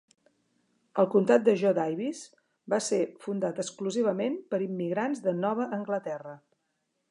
El comtat de Jo Daviess va ser fundat exclusivament per immigrants de Nova Anglaterra.